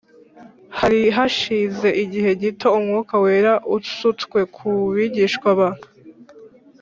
Hari hashize igihe gito umwuka wera usutswe ku bigishwa ba